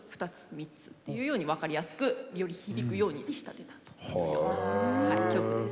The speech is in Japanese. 「三つ」っていうように分かりやすくより響くように仕立てたというような曲です。